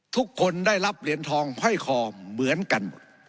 ทุกคนได้รับเหรียญทองห้อยคอเหมือนกันหมด